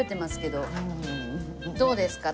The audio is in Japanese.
どうですか？